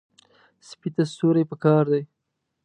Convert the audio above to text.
سپي ته سیوري پکار دی.